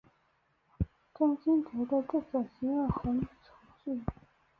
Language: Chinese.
真心觉得这种行为很愚蠢